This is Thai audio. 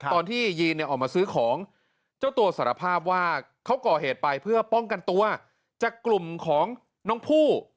ตอนที่ยีนเนี่ยออกมาซื้อของเจ้าตัวสารภาพว่าเขาก่อเหตุไปเพื่อป้องกันตัวจากกลุ่มของน้องผู้